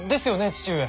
父上。